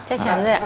chắc chắn rồi ạ